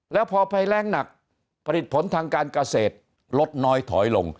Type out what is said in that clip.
แล้วพอภัยแรงหนักผลิตผลทางการเกษตรลดน้อยถอยลง